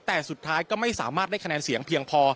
แต่สุดท้ายก็ไม่สามารถได้คะแนนเสียงเพียงพอ